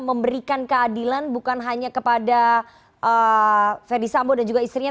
memberikan keadilan bukan hanya kepada ferdi sambo dan juga istrinya